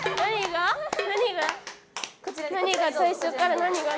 何が最初から何が？